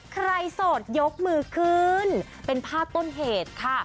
โสดยกมือขึ้นเป็นภาพต้นเหตุค่ะ